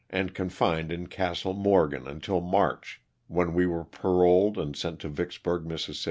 and confined in Castle Morgan until March, when we were paroled and sent to Vicksburg, Miss.